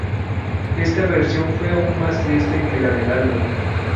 Esta versión fue aún más triste que la del álbum.